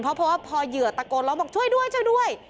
เพราะว่าพอเหยื่อตะโกนร้องบอกช่วยด้วยช่วยด้วย